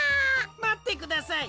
まってください。